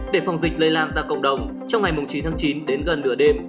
để phòng dịch lây lan ra cộng đồng trong ngày chín tháng chín đến gần nửa đêm